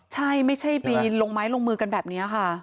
ใช่ไม่ใช่ไปลงไม้ลงมือกันแบบนี้ค่ะ